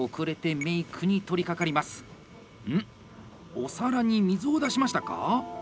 お皿に水を出しましたか？